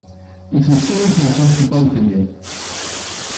This is a serious matter for both of you.